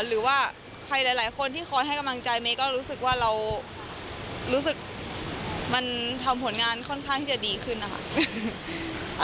หรือว่าใครหลายคนที่คอยให้กำลังใจเมย์ก็รู้สึกว่าเรารู้สึกมันทำผลงานค่อนข้างที่จะดีขึ้นนะคะ